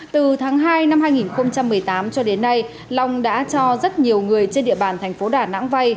từ tháng hai năm hai nghìn một mươi tám cho đến nay long đã cho rất nhiều người trên địa bàn tp đà nẵng vai